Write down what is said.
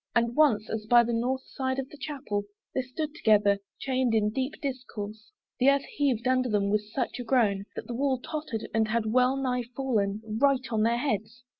And once, as by the north side of the Chapel They stood together, chained in deep discourse, The earth heaved under them with such a groan, That the wall tottered, and had well nigh fallen Right on their heads.